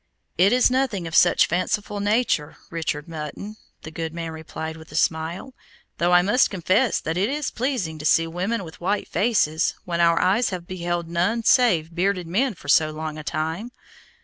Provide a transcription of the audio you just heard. "It is nothing of such fanciful nature, Richard Mutton," the good man replied with a smile, "though I must confess that it is pleasing to see women with white faces, when our eyes have beheld none save bearded men for so long a time.